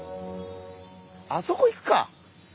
あそこ行くか。